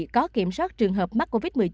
có kiểm soát trường hợp mắc covid một mươi chín